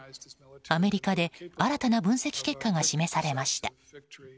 アメリカで新たな分析結果が示されました。